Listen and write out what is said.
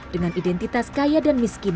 dengan identitas kaya dan miskin